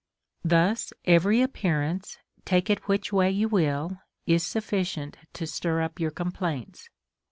Thus every appearance, take it Avhich way you will, is sufficient to stir up your complaints.